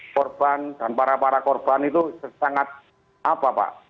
korban dan para para korban itu sangat apa pak